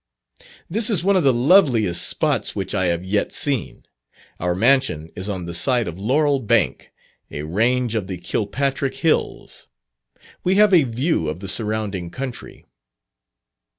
This is one of the loveliest spots which I have yet seen. Our mansion is on the side of Laurel Bank, a range of the Kilpatrick hills. We have a view of the surrounding country.